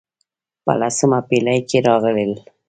په لسمه پېړۍ کې راغلل.